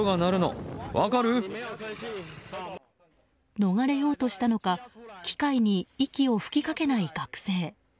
逃れようとしたのか機械に息を吹きかけない学生。